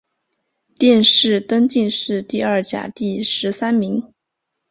殿试登进士第二甲第十三名。